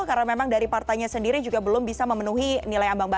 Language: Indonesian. karena memang dari partanya sendiri juga belum bisa memenuhi nilai ambang muda